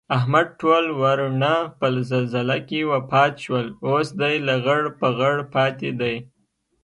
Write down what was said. احمد ټول ورڼه په زلزله کې وفات شول. اوس دی لغړ پغړ پاتې دی